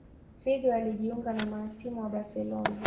Figo alijunga na mahasimu wa Barcelona